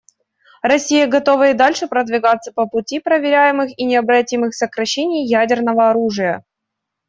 Россия готова и дальше продвигаться по пути проверяемых и необратимых сокращений ядерного оружия.